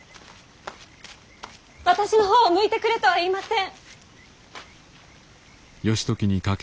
私の方を向いてくれとは言いません。